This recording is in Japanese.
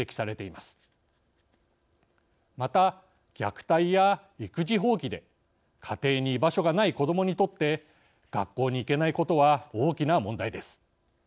また虐待や育児放棄で家庭に居場所がない子どもにとって学校に行けないことは大きな問題です。